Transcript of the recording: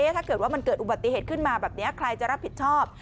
ถ้าเกิดว่ามันเกิดอุบัติเหตุขึ้นมาแบบนี้ใครจะรับผิดชอบ